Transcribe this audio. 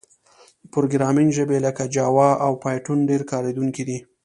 پروګرامینګ ژبې لکه جاوا او پایتون ډېر کارېدونکي دي.